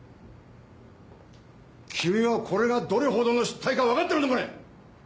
君はこれがどれほどの失態かわかってるのかね！？